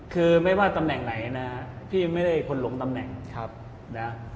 คือไม่ว่าตำแหน่งไหนนะที่ไม่ได้คนลงตำแหน่งนะ